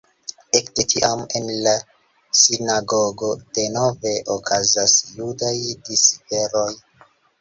Ekde tiam en la sinagogo denove okazas judaj diservoj.